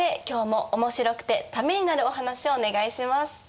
今日もおもしろくてためになるお話をお願いします。